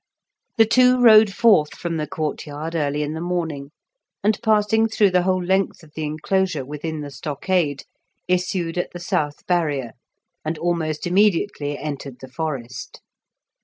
The two rode forth from the courtyard early in the morning, and passing through the whole length of the enclosure within the stockade, issued at the South Barrier and almost immediately entered the forest.